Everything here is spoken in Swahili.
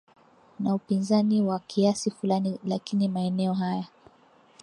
Na upinzani kwa kiasi fulani lakini maeneo haya